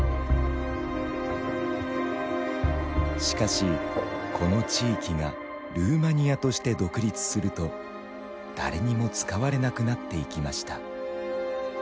しかしこの地域がルーマニアとして独立すると誰にも使われなくなっていきました。